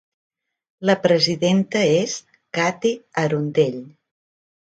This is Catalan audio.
La presidenta és Kathie Arundell.